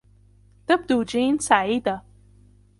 تبدو جين سعيدة.